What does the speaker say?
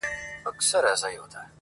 له هر چا یې وو هېر کړی زوی او کلی -